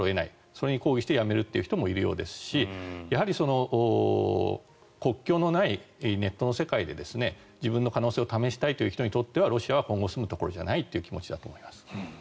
それに抗議して辞めるという人もいるようですし国境のないネットの世界で自分の可能性を試したいという人にとってはロシアは今後住むところじゃないという気持ちだと思います。